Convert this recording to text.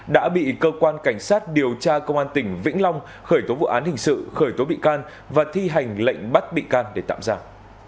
đã bị cơ quan cảnh sát điều tra công an tỉnh vĩnh long khởi tố vụ án hình sự khởi tố bị can và thi hành lệnh bắt bị can để tạm giam